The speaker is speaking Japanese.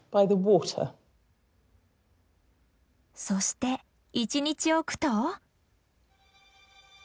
そして一日置くと。